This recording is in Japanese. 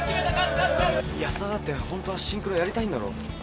安田だってホントはシンクロやりたいんだろ？